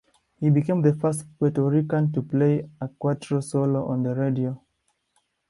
He became the first Puerto Rican to play a cuatro solo on the radio.